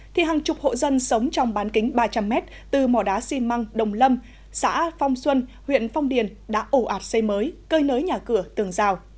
thì hàng chục hộ dân sống trong bán kính ba trăm linh m từ mỏ đá xi măng đồng lâm xã phong xuân huyện phong điền đã ủ ạt xây mới cơi nới nhà cửa tường rào